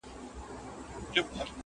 o خپل قبر هر چا ته تنگ معلومېږي!